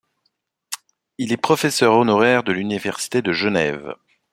Il est professeur honoraire de l'Université de Genève.